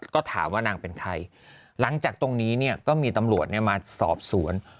ก็ถามว่านางเป็นใครหลังจากตรงนี้เนี่ยก็มีตำรวจมาสอบสวน